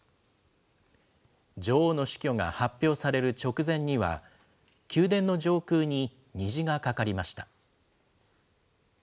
女王の死去が発表される直前には、宮殿の上空に虹がかかりました。